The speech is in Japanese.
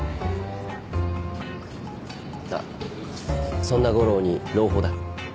あっそんな悟郎に朗報だ。